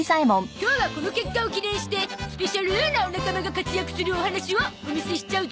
今日はこの結果を記念してスペシャルなおなかまが活躍するお話をお見せしちゃうゾ！